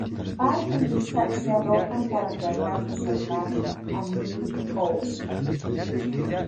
Bart y Lisa se arrojan para tratar de salvar a Milhouse.